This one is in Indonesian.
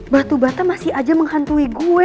batu bata masih aja menghantui gue